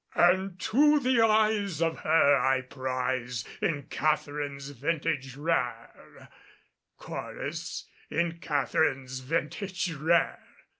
And to the eyes Of her I prize, In Catharine's vintage rare Chorus: In Catharine's vintage rare!